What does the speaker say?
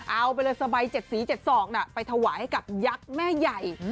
เอาไปเลยสบายเจ็ดสีเจ็ดสอกน่ะไปถวายให้กับยักษ์แม่ใหญ่